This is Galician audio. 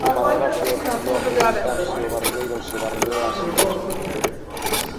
O paradoxo é obtido ao preguntar se o barbeiro se barbea a si mesmo.